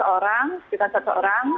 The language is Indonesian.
seratus orang sekitar seratus orang